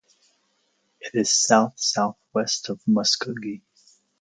It is south-southwest of Muskogee.